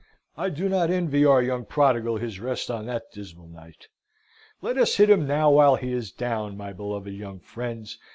I do not envy our young prodigal his rest on that dismal night. Let us hit him now he is down, my beloved young friends.